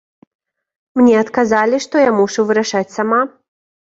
Мне адказалі, што я мушу вырашаць сама.